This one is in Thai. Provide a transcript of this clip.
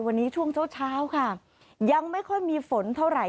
วันนี้ช่วงเช้าเช้าค่ะยังไม่ค่อยมีฝนเท่าไหร่